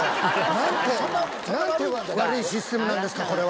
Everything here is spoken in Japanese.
何て悪いシステムなんですかこれは。